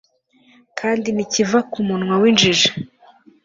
kandi ntikiva ku munwa w'injiji